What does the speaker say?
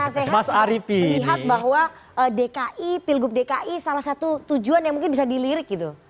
melihat bahwa dki pilgub dki salah satu tujuan yang mungkin bisa dilirik gitu